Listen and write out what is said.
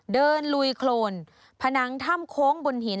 ลุยโครนผนังถ้ำโค้งบนหิน